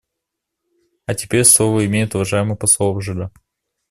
А теперь слово имеет уважаемый посол Алжира.